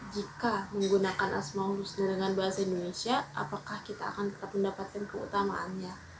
jika menggunakan asma'ul husna dengan bahasa indonesia apakah kita akan tetap mendapatkan keutamaannya